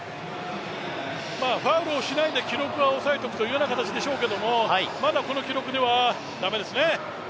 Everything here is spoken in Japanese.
ファウルをしないで記録を押さえておくという形でしょうけど、まだこの記録では駄目ですね。